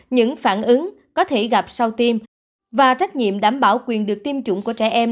những phản ứng có thể gặp sau tim và trách nhiệm đảm bảo quyền được tiêm chủng của trẻ em